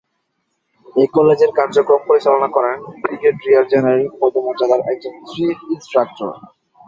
এ কলেজের কার্যক্রম পরিচালনা করেন ব্রিগেডিয়ার জেনারেল পদমর্যাদার একজন চীফ ইন্সট্রাক্টর।